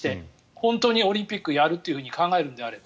本当にオリンピックをやると考えるのであれば。